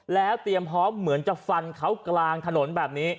แล้วเตรียมพร้อมเหมือนจะฟันเขากลางถนนแบบนี้